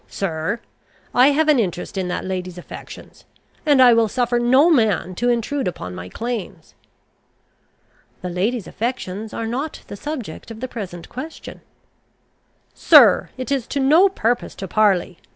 Sir, I have an interest in that lady's affections; and I will suffer no man to intrude upon my claims." "The lady's affections are not the subject of the present question." "Sir, it is to no purpose to parley.